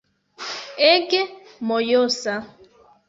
Ege mojosa